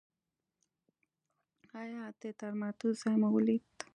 ایا د درملتون ځای مو ولید؟